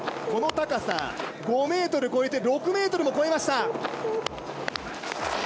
この高さ５ｍ超えて６ｍも超えました。